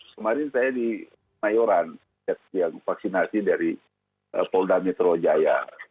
kemarin saya di mayoran yang vaksinasi dari polda metro jaya